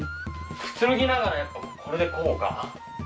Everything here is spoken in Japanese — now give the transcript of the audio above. くつろぎながらやっぱこれでこうか。